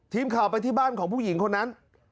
ทีมข่าวไปที่บ้านของผู้หญิงคนนั้น